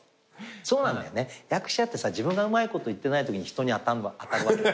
そうなんだよね役者ってさ自分がうまくいってないときに人に当たるわけよ。